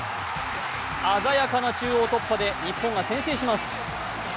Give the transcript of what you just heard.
鮮やかな中央突破で日本が先制します。